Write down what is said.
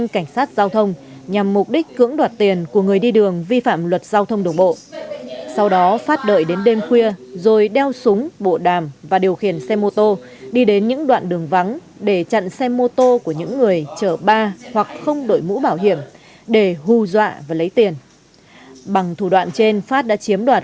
cảnh sát giao thông và các đơn vị chức năng liên quan nhằm đưa ra giải pháp cụ thể để phòng ngừa ngăn chặn các hành vi chống người thi hành công bảo trật tự an toàn giao thông